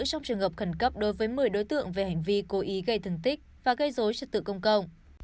trong trường hợp khẩn cấp đối với một mươi đối tượng về hành vi cố ý gây thương tích và gây dối trật tự công cộng